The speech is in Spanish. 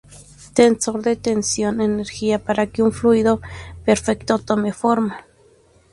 Tensor de tensión-energía para que un fluido perfecto tome forma.